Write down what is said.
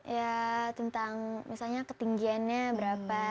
ya tentang misalnya ketinggiannya berapa